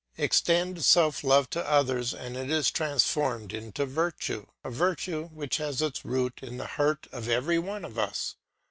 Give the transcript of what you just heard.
Extend self love to others and it is transformed into virtue, a virtue which has its root in the heart of every one of us.